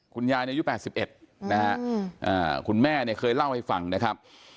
คุณยายเนี้ยอายุแปดสิบเอ็ดอืมอ่าคุณแม่เนี้ยเคยเล่าให้ฟังนะครับ